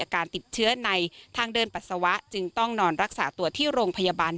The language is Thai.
การติดเชื้อในทางเดินปัสสาวะจึงต้องนอนรักษาตัวที่โรงพยาบาล